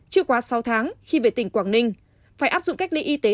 chưa quá sáu tháng khi về tỉnh quảng ninh phải áp dụng cách ly y tế